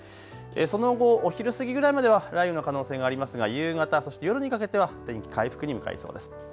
その後、お昼過ぎぐらいまでは雷雨の可能性がありますが夕方、そして夜にかけては天気、回復に向かいそうです。